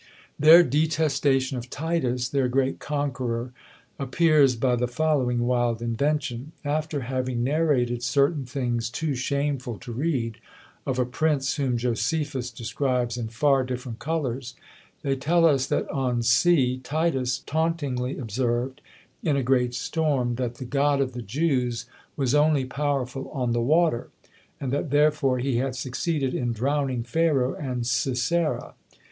Their detestation of Titus, their great conqueror, appears by the following wild invention. After having narrated certain things too shameful to read, of a prince whom Josephus describes in far different colours, they tell us that on sea Titus tauntingly observed, in a great storm, that the God of the Jews was only powerful on the water, and that, therefore, he had succeeded in drowning Pharaoh and Sisera.